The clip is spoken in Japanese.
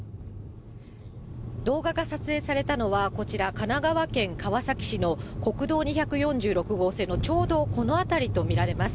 動画が撮影されたのは、こちら、神奈川県川崎市の国道２４６号線のちょうどこの辺りと見られます。